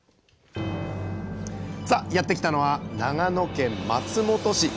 さあやって来たのは長野県松本市。